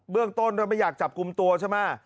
เรื่องต้นเราไม่อยากจับกลุ่มตัวใช่ไหม